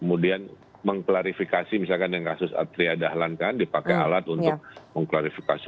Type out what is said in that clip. kemudian mengklarifikasi misalkan yang kasus triadahlankan dipakai alat untuk mengklarifikasi